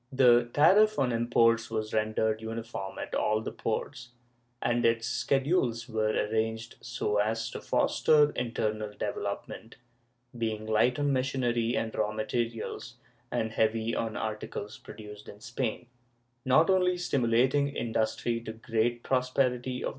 The tariff on imports was rendered uniform at all the ports, and its schedules were arranged so as to foster internal development, being light on machinery and raw materials and heavy on articles produced in Spain, not only stimulating industry to the great prosperity of the land, but in ' Relazioni Lucchese, p.